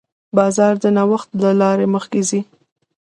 بازار د نوښت له لارې مخکې ځي.